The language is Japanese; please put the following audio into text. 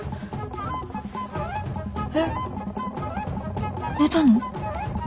えっ寝たの？